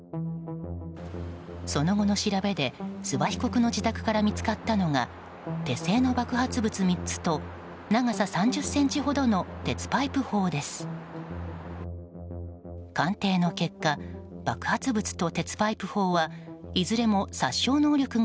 その後の調べで諏訪被告の自宅から見つかったのが手製の爆発物３つと長さ３０ｃｍほどの鉄パイプ砲です。